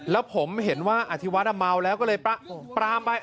แล้วผมเห็นว่าอธิวัฒน์เมาแล้วก็เลยปรามไป